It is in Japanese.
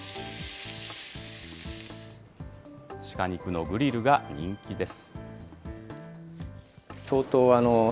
シカ肉のグリルが人気です。